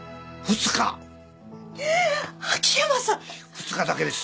２日だけです。